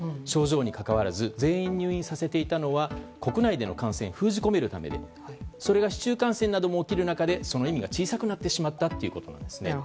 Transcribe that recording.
症状にかかわらず全員入院させていたのは国内での感染を封じ込めるためでそれが市中感染などが起きる中でその意味が小さくなってしまったということ。